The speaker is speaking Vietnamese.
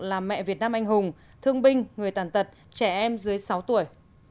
là mẹ việt nam anh hùng thương binh người tàn tật trẻ em dưới sáu tuổi